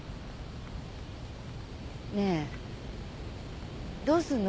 ねえどうすんの？